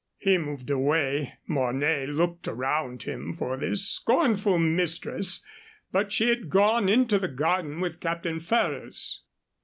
He moved away. Mornay looked around him for this scornful mistress, but she had gone into the garden with Captain Ferrers.